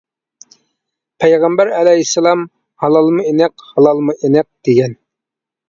پەيغەمبەر ئەلەيھىسسالام ھالالمۇ ئېنىق، ھالالمۇ ئېنىق. دېگەن.